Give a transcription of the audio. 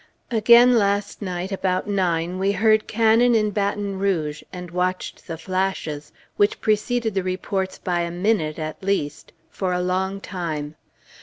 Again last night, about nine, we heard cannon in Baton Rouge, and watched the flashes, which preceded the reports by a minute, at least, for a long time.